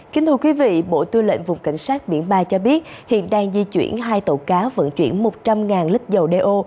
kính thưa quý vị bộ tư lệnh vùng cảnh sát biển ba cho biết hiện đang di chuyển hai tàu cá vận chuyển một trăm linh lít dầu đeo